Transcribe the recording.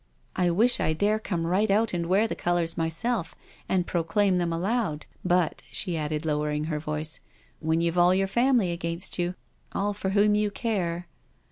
I wish I dare come right out and wear the colours myself and proclaim them aloud. But," she added, lowering her voice, " when you've all THE D/fffft/^ PARTY 215 your family against you — all for whom you care.